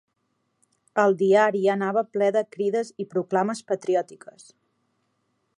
El diari anava ple de crides i proclames patriòtiques.